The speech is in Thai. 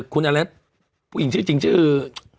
คุณแต่ละผู้หญิงจริงชื่อ